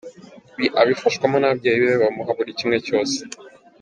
Ibi abifashwamo n’ababyeyi be bamuha buri kimwe cyose.